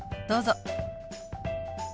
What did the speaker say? どうぞ。